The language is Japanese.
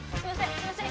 すいません！